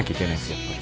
やっぱり。